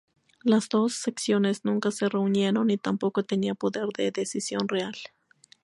Las dos secciones nunca se reunieron, y tampoco tenía poder de decisión real.